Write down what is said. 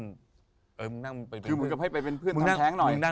คือเหมือนกับให้ไปเป็นเพื่อนทำแท้งหน่อย